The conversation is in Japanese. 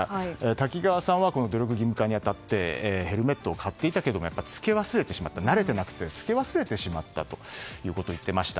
滝川さんは努力義務化によってヘルメットを買っていたけれども慣れていなくて着け忘れてしまったということを言っていました。